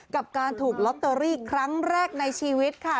กับการถูกลอตเตอรี่ครั้งแรกในชีวิตค่ะ